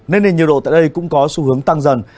nên nền nhiệt độ tại đây cũng có xu hướng tăng dần